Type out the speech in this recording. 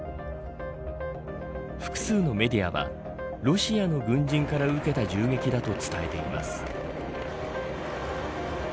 複数のメディアはロシアの軍人から受けた銃撃だと伝えています。